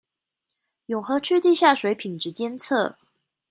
永和區地下水品質監測